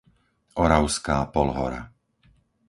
Oravská Polhora